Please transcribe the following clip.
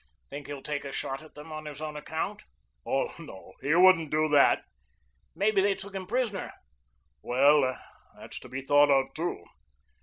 "Think he'll take a shot at them on his own account?" "Oh, no, he wouldn't do that." "Maybe they took him prisoner." "Well, that's to be thought of, too."